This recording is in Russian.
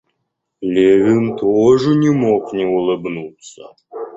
Левин тоже не мог не улыбнуться.